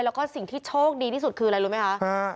แล้วก็สิ่งที่โชคดีที่สุดคืออะไรรู้ไหมคะ